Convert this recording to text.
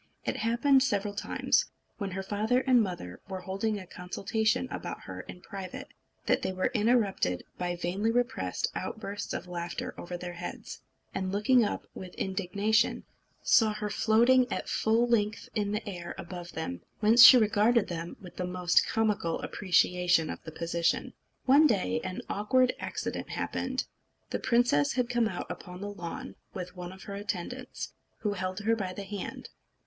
It happened several times, when her father and mother were holding a consultation about her in private, that they were interrupted by vainly repressed outbursts of laughter over their heads; and looking up with indignation, saw her floating at full length in the air above them, whence she regarded them with the most comical appreciation of the position. One day an awkward accident happened. The princess had come out upon the lawn with one of her attendants, who held her by the hand.